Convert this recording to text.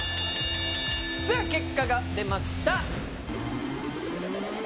さあ結果が出ました。